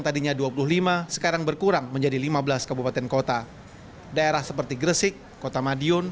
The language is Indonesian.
tadinya dua puluh lima sekarang berkurang menjadi lima belas kabupaten kota daerah seperti gresik kota madiun